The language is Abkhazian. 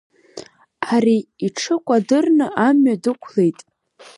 Ари иҽы кәадырны амҩа дықәлеит.